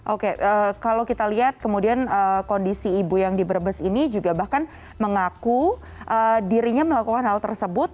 oke kalau kita lihat kemudian kondisi ibu yang di brebes ini juga bahkan mengaku dirinya melakukan hal tersebut